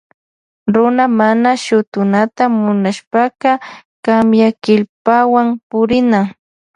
Runa mana shutunata munashpaka kamyakillpawan purina.